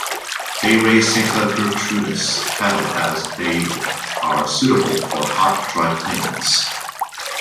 They raise Santa Gertrudis cattle as they are suitable for hot, dry climates.